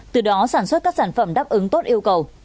từ đó sản xuất các sản phẩm đáp ứng tốt yêu cầu